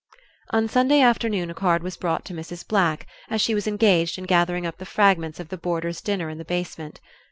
On Sunday afternoon a card was brought to Mrs. Black, as she was engaged in gathering up the fragments of the boarders' dinner in the basement.